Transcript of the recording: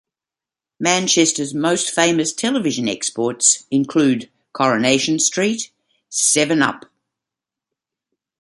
Manchester's most famous television exports include "Coronation Street", "Seven Up!